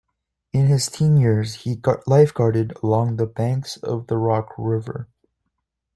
In his teen years, he lifeguarded along the banks of the Rock River.